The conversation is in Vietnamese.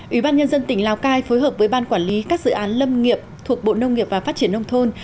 ủy ban nhân dân tỉnh lào cai phối hợp với ban quản lý các dự án lâm nghiệp thuộc bộ nông nghiệp và phát triển nông thôn